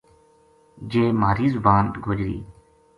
جے مھاری زبان گوجری